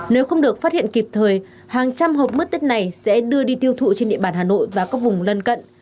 nếu không được phát hiện kịp thời hàng trăm hộp mất tích này sẽ đưa đi tiêu thụ trên địa bàn hà nội và các vùng lân cận